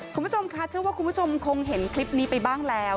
คุณผู้ชมค่ะเชื่อว่าคุณผู้ชมคงเห็นคลิปนี้ไปบ้างแล้ว